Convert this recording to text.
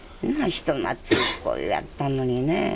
人懐っこい感じやったのにね。